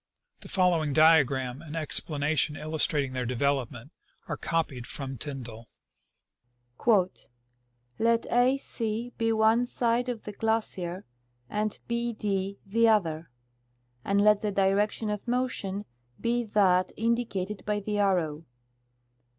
The following diagram and explanation illustrating their development are copied from Tyndall :" Let A C be one side of the glacier and B D the other ; and let the direc tion of motion be that indicated by the arrow.